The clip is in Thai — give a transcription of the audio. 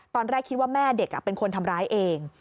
ตอนแรกคิดว่าแม่เด็กเป็นคนทำร้ายเอง